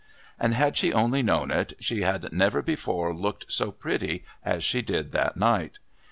And had she only known it, she had never before looked so pretty as she did that night.